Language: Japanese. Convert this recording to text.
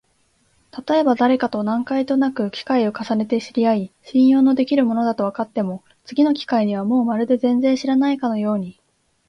たとえばだれかと何回となく機会を重ねて知り合い、信用のできる者だとわかっても、次の機会にはもうまるで全然知らないかのように、